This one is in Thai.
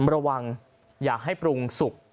ระวังอย่าให้ปรุงสุก